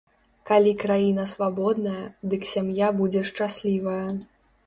Калі краіна свабодная, дык сям'я будзе шчаслівая.